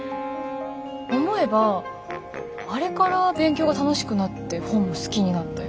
思えばあれから勉強が楽しくなって本も好きになったような。